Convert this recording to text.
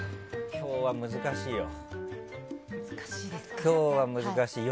今日は難しいよ。